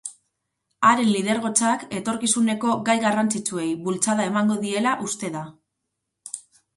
Haren lidergotzak etorkizuneko gai garrantzitsuei bultzada emango diela uste da.